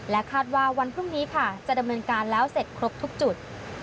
คาดว่าวันพรุ่งนี้ค่ะจะดำเนินการแล้วเสร็จครบทุกจุด